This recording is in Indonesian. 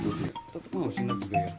tetap mau siner juga ya